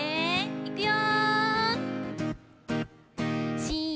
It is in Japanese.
いくよ。